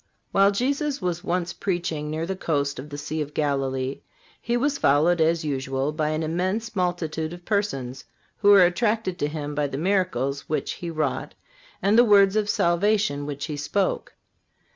While Jesus was once preaching near the coast of the Sea of Galilee He was followed, as usual, by an immense multitude of persons, who were attracted to Him by the miracles which He wrought and the words of salvation which he spoke.